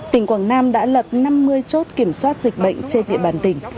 tỉnh quảng nam đã lập năm mươi chốt kiểm soát dịch bệnh trên địa bàn tỉnh